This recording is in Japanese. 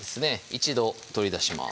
一度取り出します